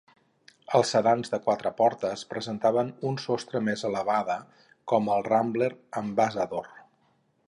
Els sedans de quatre portes presentaven un sostre més elevada, com el Rambler Ambassador.